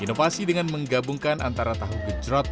inovasi dengan menggabungkan antara tahu gejrot